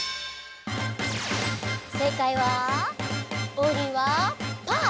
オウリンはパー！